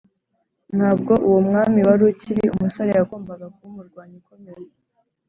ntabwo uwo mwami wari ukiri umusore yagombaga kuba umurwanyi ukomeye ,